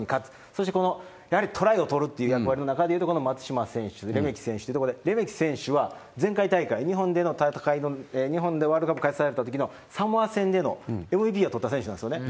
そして、このやはりトライを取るという中でいうと、この松島選手、レメキ選手というところで、レメキ選手は前回大会、日本での日本でワールドカップ開催されたときの、サモア戦でのＭＶＰを取った選手なんですね。